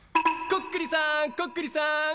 こっくりさんこっくりさん